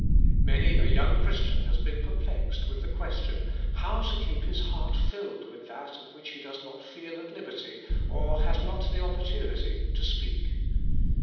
Many a 3^oiing Christian has been per plexed with the question how to keep his heart filled with that of which he does not feel at liberty, or has not the opportunity, to speak.